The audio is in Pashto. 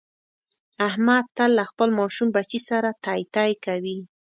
احمد تل له خپل ماشوم بچي سره تی تی کوي.